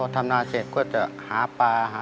ทำนาเสร็จแล้วก็จะหาปลา